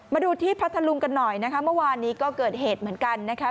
มาดูที่พัทธลุงกันหน่อยนะคะเมื่อวานนี้ก็เกิดเหตุเหมือนกันนะคะ